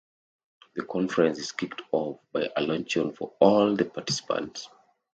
The conference is kicked off by a luncheon for all the participants.